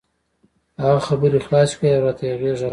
هغه خبرې خلاصې کړې او راته یې غېږه راکړه.